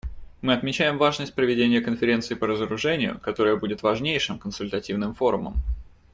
Мы отмечаем важность проведения конференции по разоружению, которая будет важнейшим консультативным форумом.